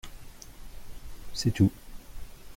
C’est tout.